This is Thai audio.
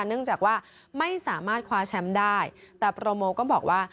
เนื่องจากว่าไม่สามารถคว้าแชมป์ได้แต่โปรโมก็บอกว่า